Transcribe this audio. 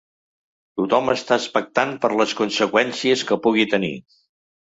Tothom està expectant per les conseqüències que pugui tenir.